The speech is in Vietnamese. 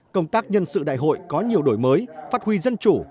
công tác nhân sự đại hội có nhiều đổi mới phát huy dân chủ